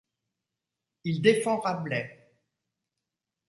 Il défend Rabelais.